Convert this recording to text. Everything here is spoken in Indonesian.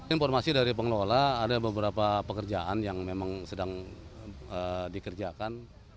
informasi dari pengelola ada beberapa pekerjaan yang memang sedang dikerjakan